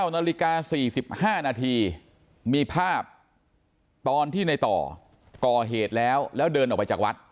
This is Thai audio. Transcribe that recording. ๙นาฬิกา๔๕นาทีมีภาพตอนที่ในต่อก่อเหตุแล้วแล้วเดินออกไปจากวัด